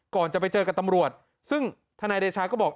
จะไปเจอกับตำรวจซึ่งทนายเดชาก็บอก